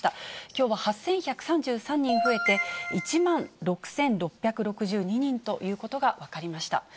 きょうは８１３３人増えて、１万６６６２人ということが分かりました。